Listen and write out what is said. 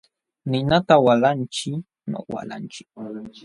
Ninata walachiy millkapata yanukunanchikpaq.